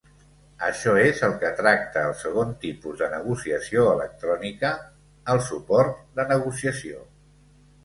Això és el que tracta el segon tipus de negociació electrònica, el suport de negociació.